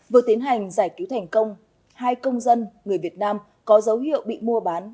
vừa tiến hành giải cứu thành công hai công dân người việt nam có dấu hiệu bị mua bán